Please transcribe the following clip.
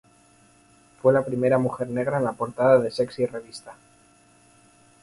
Fue la primera mujer negra en la portada de Sexy revista.